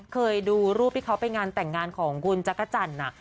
เคยดูรูปที่เขาไปงานแต่งงานของคุณจักรจันทร์